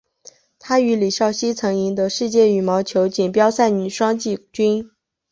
她与李绍希曾赢得世界羽毛球锦标赛女双季军。